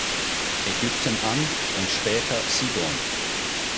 Ägypten an und später Sidon.